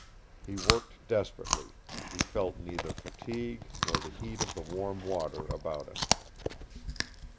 He worked desperately. He felt neither fatigue nor the heat of the warm water about him.